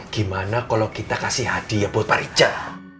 gimana kalau kita kasih hadiah buat pak richard